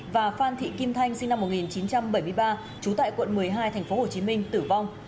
và phan thị kim thanh sinh năm một nghìn chín trăm bảy mươi ba trú tại quận một mươi hai tp hcm tử vong